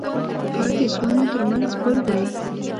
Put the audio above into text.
چای د زړونو ترمنځ پل دی.